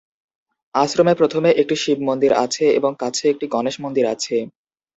আশ্রমে প্রথমে একটি শিব মন্দির আছে এবং কাছে একটি গণেশ মন্দির আছে।